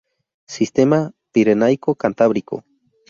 Sistema pirenaico-cantábrico.